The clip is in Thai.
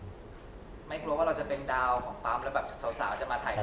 ไม่กลัวว่าเราจะเป็นดาวของปั๊มแล้วแบบสาวจะมาถ่าย